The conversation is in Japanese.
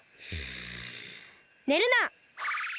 ねるな！